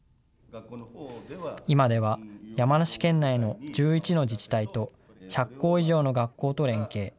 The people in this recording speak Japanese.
今では山梨県内の１１の自治体と１００校以上の学校と連携。